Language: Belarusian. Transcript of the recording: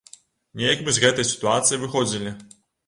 Неяк мы з гэтай сітуацыі выходзілі.